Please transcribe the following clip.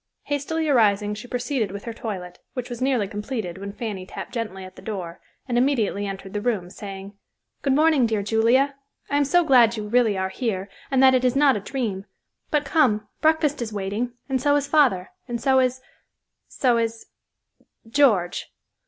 Hastily arising she proceeded with her toilet, which was nearly completed when Fanny tapped gently at the door, and immediately entered the room, saying, "Good morning, dear Julia. I am so glad you really are here and that it is not a dream. But come, breakfast is waiting and so is father, and so is—so is—George."